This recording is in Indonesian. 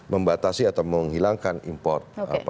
membatasi atau menghilangkan import